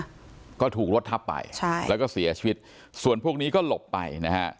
แล้วก็ถูกรถทับไปใช่แล้วก็เสียชีวิตส่วนพวกนี้ก็หลบไปนะฮะ